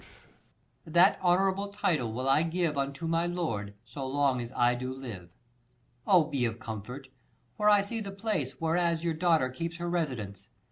That honourable title will I give Unto my lord, so long as I do live. Oh, be of comfort ; for I see the place 20 Whereas your daughter keeps her residence.